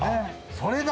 それだ。